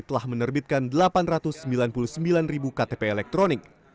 telah menerbitkan delapan ratus sembilan puluh sembilan ribu ktp elektronik